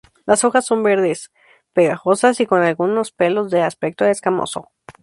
Las hojas son verdes, pegajosas, y con algunos pelos de aspecto escamoso.